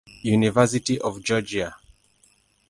University of Georgia.